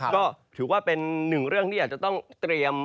ก็ถือว่าเป็นหนึ่งเรื่องที่อาจจะต้องเตรียม